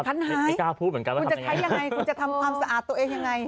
คันหายไอ้ก้าพูดเหมือนกันว่าทำยังไงคุณจะใช้ยังไงคุณจะทำความสะอาดตัวเองยังไง